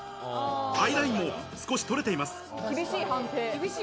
アイラインも少し取れています。